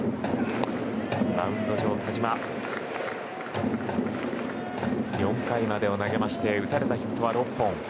マウンド上の田嶋は４回まで投げまして打たれたヒットは６本。